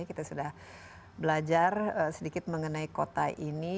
kita sudah belajar sedikit mengenai kota ini